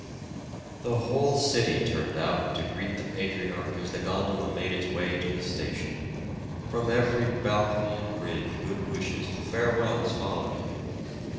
The whole city turned out to greet the patriarch as the gondola made its way to the station; from every balcony and bridge good wishes and farewells followed him.